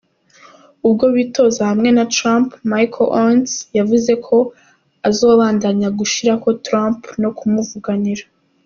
Uwo bitoza hamwe na Trumpo, Mike Oence, yavuze ko azobandanya gushigikira Trumo no kumuvuganira.